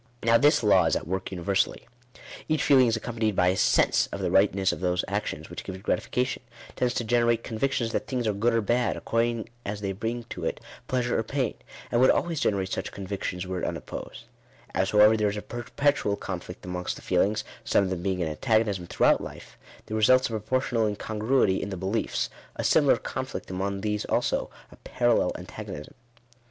Now this law is at work universally. Every feeling is ac , companied by a sense of the rightness of those actions which give it gratification — tends to generate convictions that things are good or bad, according as they bring to it pleasure or pain ; and would always generate such convictions, were it unopposed. Digitized by VjOOQIC 26 INTRODUCTION. As however there is a perpetual conflict amongst the feelings — some of them being in antagonism throughout life — there results a proportionate incongruity in the beliefs — a similar conflict amongst these also — a parallel antagonism.